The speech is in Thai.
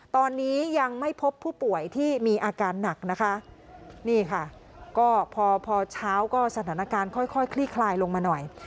ตอนนี้ยังไม่พบผู้ป่วยที่มีอาการหนักนะคะนี่ค่ะก็พอพอเช้าก็สถานการณ์ค่อยค่อยคลี่คลายลงมาหน่อย